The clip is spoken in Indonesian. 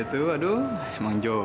mas darwin tuh suka makan sayur ya